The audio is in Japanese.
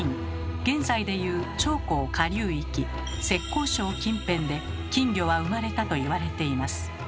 現在でいう長江下流域浙江省近辺で金魚は生まれたといわれています。